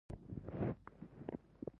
ژبې د افغانستان د سیلګرۍ برخه ده.